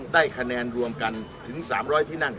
ได้คะแนนรวมกันถึง๓๐๐ที่นั่ง